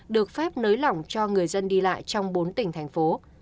được phép nới lỏng cho người dân đi lại trong bốn tỉnh thành phố